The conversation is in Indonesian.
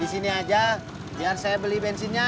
di sini aja biar saya beli bensinnya